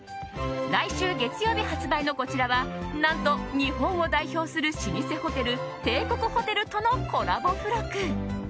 来週月曜日発売のこちらは何と、日本を代表する老舗ホテル帝国ホテルとのコラボ付録。